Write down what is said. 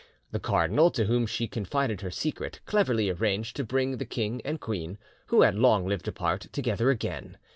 The cardinal, to whom she confided her secret, cleverly arranged to bring the king and queen, who had long lived apart, together again.